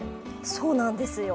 そうなんですよ。